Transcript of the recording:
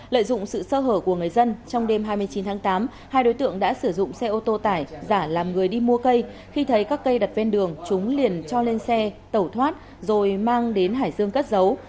lợi dụng sự sơ hở của người dân trong đêm hai mươi chín tháng tám hai đối tượng đã sử dụng xe ô tô tải giả làm người đi mua cây khi thấy các cây đặt ven đường chúng liền cho lên xe tẩu thoát rồi mang đến hải dương cất giấu